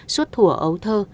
suốt thủa ấu thơ